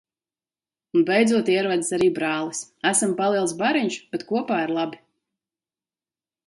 Un beidzot ierodas arī brālis. Esam paliels bariņš, bet kopā ir labi.